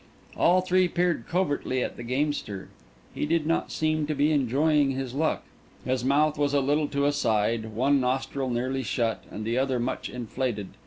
All three peered covertly at the gamester. He did not seem to be enjoying his luck. His mouth was a little to a side; one nostril nearly shut, and the other much inflated.